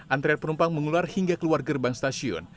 antrean penumpang mengular hingga keluar gerbang stasiun